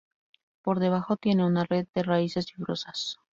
Por debajo, tiene una red de raíces fibrosas.